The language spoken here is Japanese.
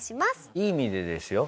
いい意味でですよ。